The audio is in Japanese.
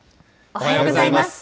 おはようございます。